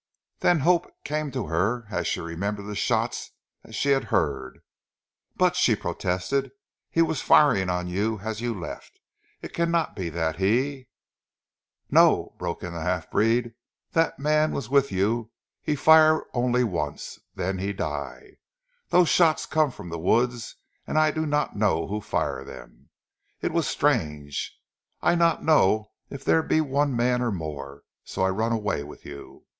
Then hope came to her as she remembered the shots that she had heard. "But," she protested, "he was firing on you as you left. It cannot be that he " "Non!" broke in the half breed. "Dat man was with you he fire onlee once, den he die. Dose shots dey come from zee wood, an' I not know who fire dem. Eet was strange, I not know eef there be one man or more, so I run aways wit' you."